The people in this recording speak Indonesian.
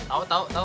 tau tau tau